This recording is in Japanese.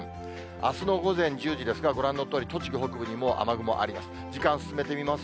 あすの午前１０時ですが、ご覧のとおり、栃木北部にもう雨雲あります。